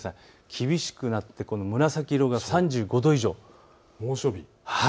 厳しくなって紫色が３５度以上、猛暑日。